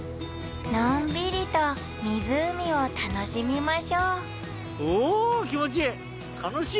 んびりと湖を楽しみましょうお気持ちいい！